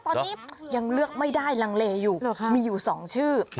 ตอนนี้ยังเลือกไม่ได้ลังเลอยู่มีอยู่๒ชื่อ